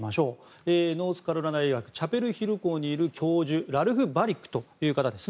ノースカロライナ大学チャペルヒル校にいるラルフ・バリックという方です。